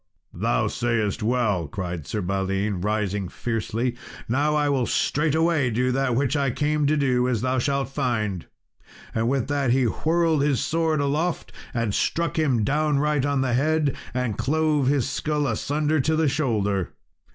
"Thou sayest well," cried Sir Balin, rising fiercely; "now will I straightway do that which I came to do, as thou shalt find." With that he whirled his sword aloft and struck him downright on the head, and clove his skull asunder to the shoulder.